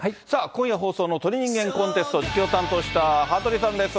今夜放送の鳥人間コンテスト、実況を担当した羽鳥さんです。